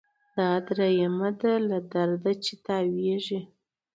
دا دریمه ده له درده چي تاویږي